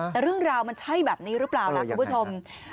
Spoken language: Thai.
แต่เรื่องราวมันใช่แบบนี้หรือเปล่านะคุณผู้ชม